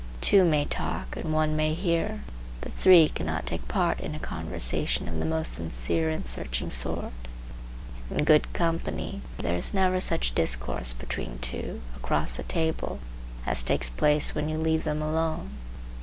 Two may talk and one may hear, but three cannot take part in a conversation of the most sincere and searching sort. In good company there is never such discourse between two, across the table, as takes place when you leave them alone.